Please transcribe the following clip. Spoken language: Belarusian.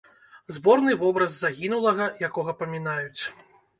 Зборны вобраз загінулага, якога памінаюць.